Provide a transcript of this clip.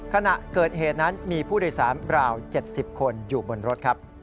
ขณะเกิดเหตุนั้นมีผู้โดยสารราว๗๐คนอยู่บนรถครับ